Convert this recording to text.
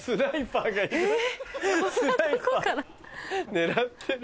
狙ってる。